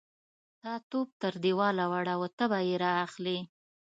_تا توپ تر دېوال واړاوه، ته به يې را اخلې.